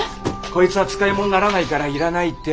こいつは使い物にならないからいらないって。